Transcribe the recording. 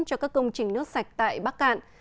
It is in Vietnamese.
cho các công trình nước sạch tại bắc cạn